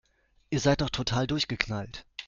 Ihr seid doch total durchgeknallt!